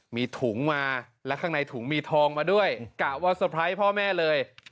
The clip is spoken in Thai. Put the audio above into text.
มีถุงมาและข้างในถุงมีทองมาด้วยกะว่าเตอร์ไพรส์พ่อแม่เลย